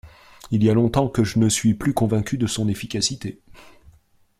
Il y a longtemps que je ne suis plus convaincu de son efficacité.